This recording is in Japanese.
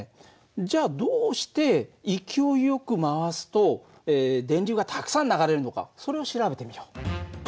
じゃあどうして勢いよく回すと電流がたくさん流れるのかそれを調べてみよう。